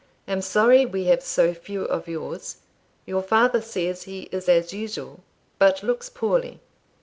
Am sorry we have so few of yours. Your father says he is as usual, but looks poorly."